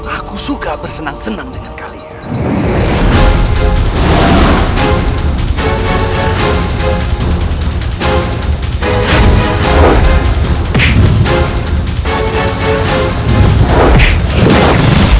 aku suka bersenang senang dengan kalian